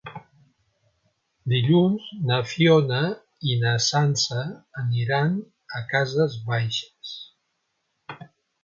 Dilluns na Fiona i na Sança aniran a Cases Baixes.